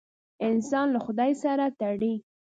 انسان له خدای سره تړي.